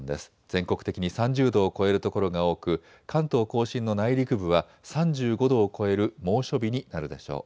全国的に３０度を超える所が多く関東甲信の内陸部は３５度を超える猛暑日になるでしょう。